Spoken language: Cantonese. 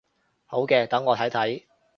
好嘅，等我睇睇